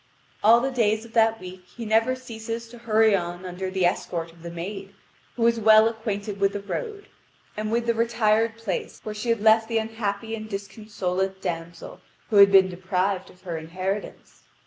All the days of that week he never ceases to hurry on under the escort of the maid, who was well acquainted with the road, and with the retired place where she had left the unhappy and disconsolate damsel who had been deprived of her inheritance.